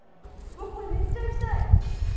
これ、めっちゃ行きたい。